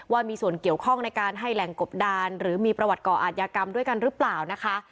ว่ามีส่วนเกี่ยวข้องในการให้แหล่งกบดานหรือมีประวัติก่ออาจยากรรมด้วยกันหรือเปล่านะคะ